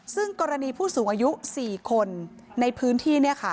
ซึ่งกรณีผู้สูงอายุ๔คนในพื้นที่